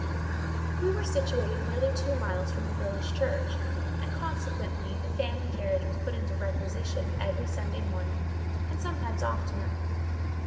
We were situated nearly two miles from the village church, and, consequently, the family carriage was put in requisition every Sunday morning, and sometimes oftener.